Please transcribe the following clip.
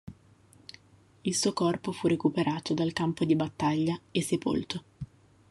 Il suo corpo fu recuperato dal campo di battaglia e sepolto.